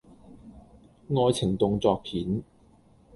愛情動作片